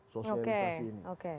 sosialisasi ini oke